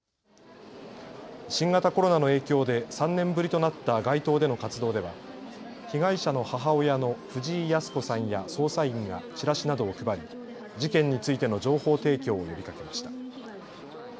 新型コロナの影響で３年ぶりとなった街頭での活動では被害者の母親の藤井康子さんや捜査員がチラシなどを配り事件についての情報提供を呼びかけました。